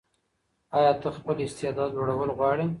ایا ته خپل استعداد لوړول غواړې؟